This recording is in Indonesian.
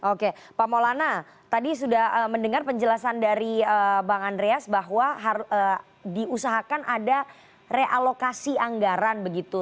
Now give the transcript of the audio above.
oke pak maulana tadi sudah mendengar penjelasan dari bang andreas bahwa diusahakan ada realokasi anggaran begitu